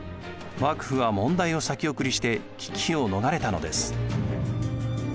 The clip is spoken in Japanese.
幕府は問題を先送りして危機を逃れたのです。